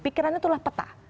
pikiran itulah peta